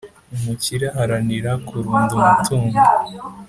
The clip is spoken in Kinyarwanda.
Umukire aharanira kurunda umutungo,